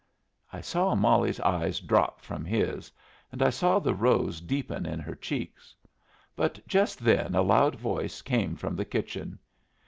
I saw Molly's eyes drop from his, and I saw the rose deepen in her cheeks. But just then a loud voice came from the kitchen.